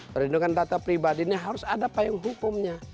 perlindungan data pribadi ini harus ada payung hukumnya